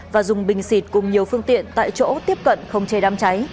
và dùng bình xịt cùng nhiều phương tiện tại chỗ tiếp cận không chế đám cháy